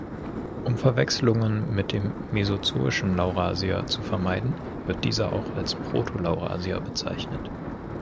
Um Verwechslungen mit dem "mesozoischen Laurasia" zu vermeiden, wird dieser auch als Proto-Laurasia bezeichnet.